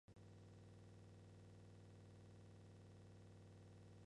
Es originario del Eurasia.